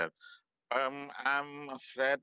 oke terima kasih